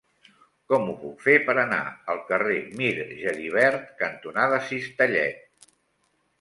Com ho puc fer per anar al carrer Mir Geribert cantonada Cistellet?